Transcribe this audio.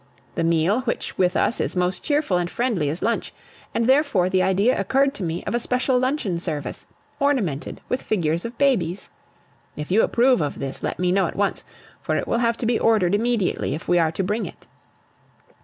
The meal which with us is most cheerful and friendly is lunch, and therefore the idea occurred to me of a special luncheon service, ornamented with figures of babies. If you approve of this, let me know at once; for it will have to be ordered immediately if we are to bring it.